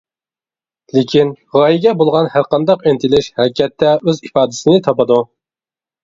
لېكىن غايىگە بولغان ھەرقانداق ئىنتىلىش ھەرىكەتتە ئۆز ئىپادىسىنى تاپىدۇ.